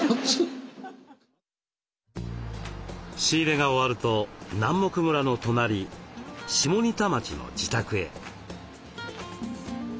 仕入れが終わると南牧村の隣下仁田町の自宅へ。